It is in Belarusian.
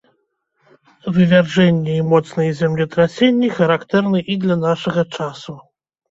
Вывяржэнні і моцныя землетрасенні характэрны і для нашага часу.